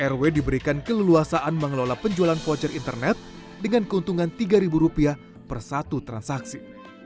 rw diberikan keleluasaan mengelola penjualan voucher internet dengan keuntungan rp tiga per satu transaksi